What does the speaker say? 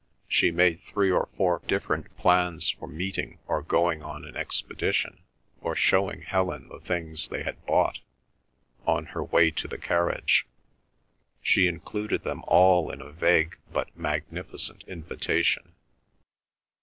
She made three or four different plans for meeting or going on an expedition, or showing Helen the things they had bought, on her way to the carriage. She included them all in a vague but magnificent invitation.